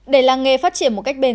để làng nghề phát triển một cách nhanh